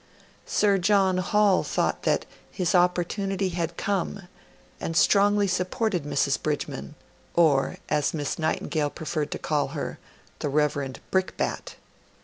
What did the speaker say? Sir John Hall thought that his opportunity had come, and strongly supported Mrs. Bridgeman or, as Miss Nightingale preferred to call her, the 'Reverend Brickbat'.